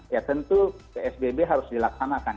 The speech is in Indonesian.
ya tentu psbb harus dilaksanakan